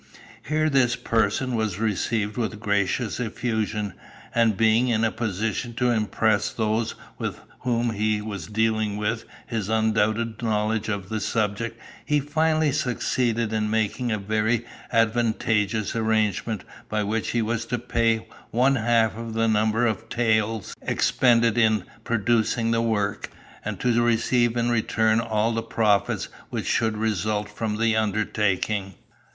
Here this person was received with gracious effusion, and being in a position to impress those with whom he was dealing with his undoubted knowledge of the subject, he finally succeeded in making a very advantageous arrangement by which he was to pay one half of the number of taels expended in producing the work, and to receive in return all the profits which should result from the undertaking.